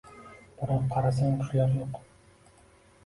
Biroq, qarasang qushlar yo’q.